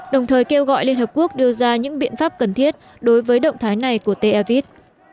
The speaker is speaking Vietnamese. đồng thời kêu gọi liên hợp quốc đưa ra những biện pháp cần thiết đối với động thái này của t aviv